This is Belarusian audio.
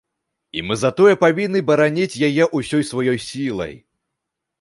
І мы затое павінны бараніць яе ўсёй сваёй сілай.